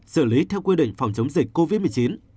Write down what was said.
xử lý theo quy định phòng chống dịch covid một mươi chín